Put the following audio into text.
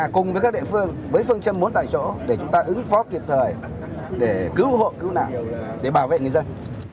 cùng với các địa phương với phương châm bốn tại chỗ để chúng ta ứng phó kịp thời để cứu hộ cứu nạn để bảo vệ người dân